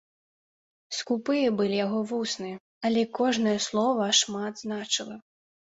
Скупыя былі яго вусны, але кожнае слова шмат значыла.